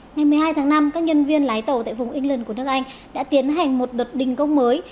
ngày một mươi hai tháng năm các nhân viên lái tàu tại vùng england của nước anh đã tiến hành một đợt đình công mới